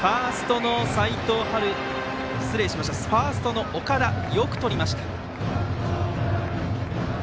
ファーストの岡田よくとりましたが。